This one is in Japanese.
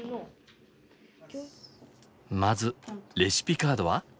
まずレシピカードは？